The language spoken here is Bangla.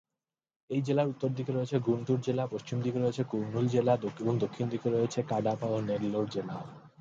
এই জেলার উত্তর দিকে রয়েছে গুন্টুর জেলা, পশ্চিম দিকে রয়েছে কুর্নুল জেলা এবং দক্ষিণ দিকে রয়েছে কাডাপা ও নেল্লোর জেলা।